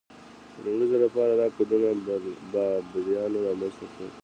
د لومړي ځل لپاره دا کوډونه بابلیانو رامنځته کړل.